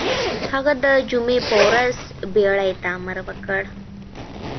هغه د جمعې په ورځ بېړۍ ته امر وکړ.